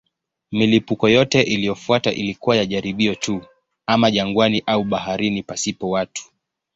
Milipuko yote iliyofuata ilikuwa ya jaribio tu, ama jangwani au baharini pasipo watu.